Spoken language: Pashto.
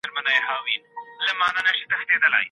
لور او لمسۍ به ورکړو، سبا به د وروڼو پر جنګ وي